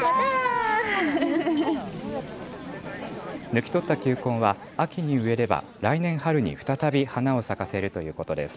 抜き取った球根は秋に植えれば来年春に再び花を咲かせるということです。